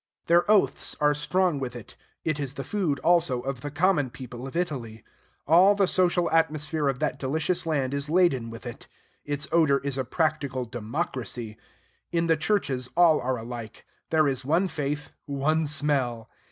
Their oaths are strong with it. It is the food, also, of the common people of Italy. All the social atmosphere of that delicious land is laden with it. Its odor is a practical democracy. In the churches all are alike: there is one faith, one smell.